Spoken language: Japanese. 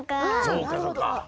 そうかそうか。